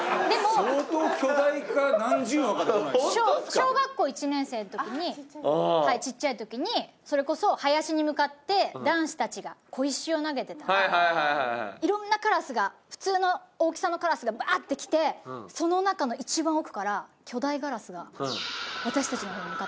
小学校１年生の時にちっちゃい時にそれこそ林に向かって男子たちが小石を投げてたらいろんなカラスが普通の大きさのカラスがバッて来てその中の一番奥から巨大ガラスが私たちの方に向かってきて。